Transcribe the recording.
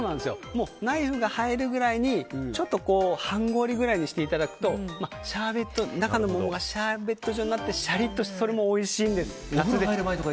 ナイフが入るぐらいにちょっと半氷ぐらいにしていただくと中のものがシャーベット状になってしゃりっとしてそれもおいしいんです。